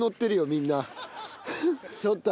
みんな。